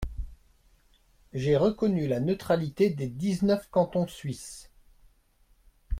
»J'ai reconnu la neutralité des dix-neuf cantons Suisses.